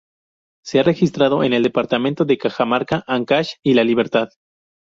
Se ha registrado en el Departamento de Cajamarca, Áncash y La Libertad.